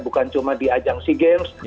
bukan cuma di ajang sea games